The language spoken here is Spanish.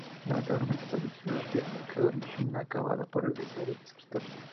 Lamentablemente esta trilogía quedó inacabada por el deceso del escritor.